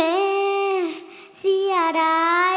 เพลงเก่งของคุณครับ